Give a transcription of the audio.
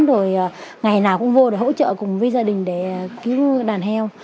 rồi ngày nào cũng vô để hỗ trợ cùng với gia đình để cứu đàn heo